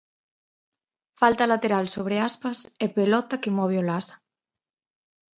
Falta lateral sobre Aspas e pelota que move Olaza.